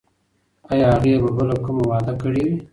ایا هغې به بله کومه وعده کړې وي؟